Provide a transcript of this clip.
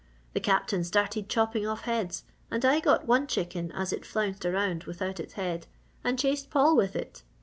"The Captain started chopping off heads and I got one chicken as it flounced around without its head, and chased Paul with it.